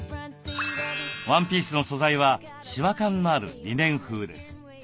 ワンピースの素材はシワ感のあるリネン風です。